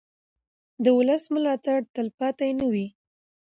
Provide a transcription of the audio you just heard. د ولس ملاتړ تلپاتې نه وي